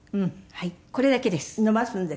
これだけです。